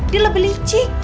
dia lebih licik